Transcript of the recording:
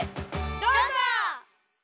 どうぞ！